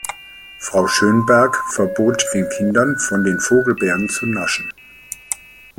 Frau Schönberg verbot den Kindern, von den Vogelbeeren zu naschen.